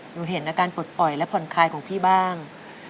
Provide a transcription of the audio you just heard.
เห็นอาการปลดปล่อยและผ่อนคลายของพี่บ้าง